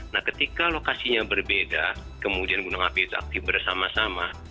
nah ketika lokasinya berbeda kemudian gunung api itu aktif bersama sama